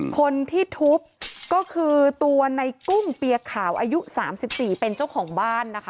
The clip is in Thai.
คนที่ทุบก็คือตัวในกุ้งเปียขาวอายุ๓๔เป็นเจ้าของบ้านนะคะ